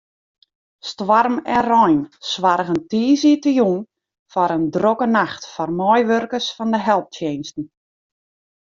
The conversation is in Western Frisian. Stoarm en rein soargen tiisdeitejûn foar in drokke nacht foar meiwurkers fan de helptsjinsten.